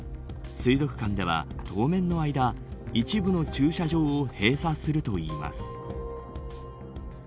水族館では、当面の間一部の駐車場を閉鎖するといいます。